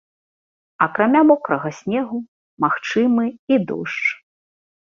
Акрамя мокрага снегу, магчымы і дождж.